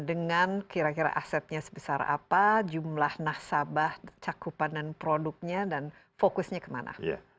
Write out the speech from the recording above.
dengan kira kira asetnya sebesar apa jumlah nasabah cakupan dan produknya dan fokusnya kemana